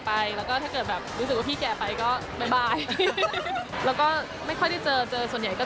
เพราะฉะนั้นก็ยังไม่ได้เทียนรู้ใครคณะนั้นที่จะรู้ว่าดีไม่ดี